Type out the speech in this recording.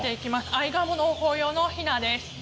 アイガモ農法用のひなです。